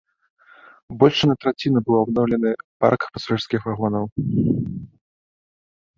Больш чым на траціну быў абноўлены парк пасажырскіх вагонаў.